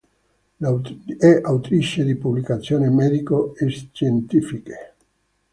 È autrice di pubblicazioni medico-scientifiche.